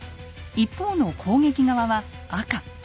一方の攻撃側は赤。